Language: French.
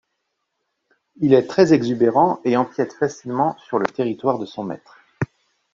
Il est très exubérant et empiète facilement sur le territoire de son maître.